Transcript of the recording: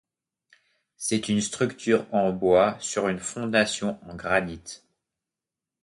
C'est une structure en bois sur une fondation en granit.